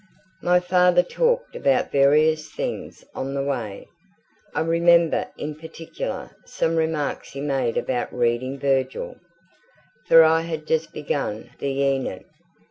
My father talked about various things on the way. I remember in particular some remarks he made about reading Virgil, for I had just begun the Æneid.